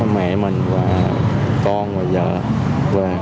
mẹ mình và con và vợ về